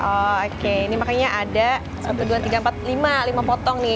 oke ini makanya ada satu dua tiga empat lima lima potong nih